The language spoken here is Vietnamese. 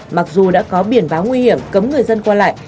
mặc dù đã có biển báo nguy hiểm cấm người dân qua lại